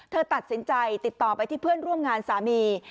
เธอตัดสินใจติดต่อไปที่เพื่อนร่วมงานสามี